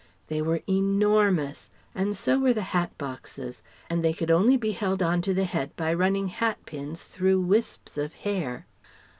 They were enormous; and so were the hat boxes; and they could only be held on to the head by running hatpins through wisps of hair.